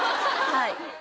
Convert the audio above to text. はい